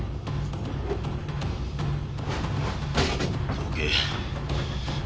どけ。